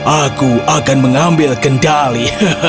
aku akan mengambil kendali